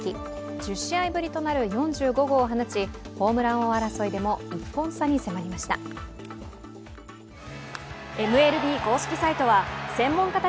１０試合ぶりとなる４５号を放ちホームラン王争いでも１本差に迫りました。